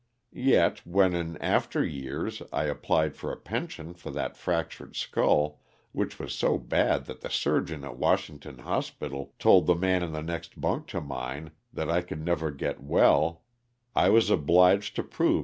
Yet, when in after years, I applied for a pension for that fractured skull, which was so bad that the surgeon at Washing ton hospital told the man in the next bunk to mine that I could never get well, I was obliged to prove 56 LOSS OF THE SULTANA.